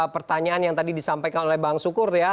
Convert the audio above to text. pertanyaan yang tadi disampaikan oleh bang sukur ya